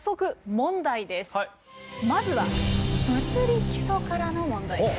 まずは「物理基礎」からの問題です。